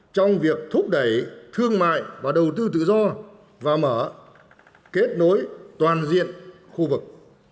trong việc thúc đẩy thương mại và đầu tư tự do và mở kết nối toàn diện khu vực